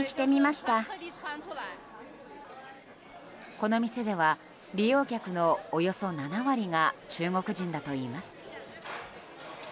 この店では利用客のおよそ７割が中国人だといいます。